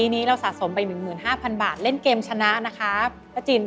ไปสัมภาษณ์กันสองวัน